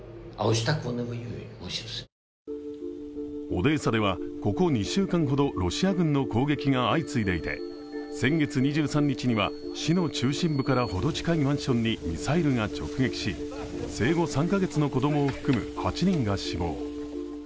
オデーサでは、ここ２週間ほどロシア軍の攻撃が相次いでいて、先月２３日には市の中心部からほど近いマンションにミサイルが直撃し生後３カ月の子供を含む８人が死亡。